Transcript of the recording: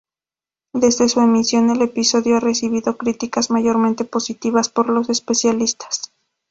Desde su emisión, el episodio ha recibido críticas mayormente positivas por los especialistas.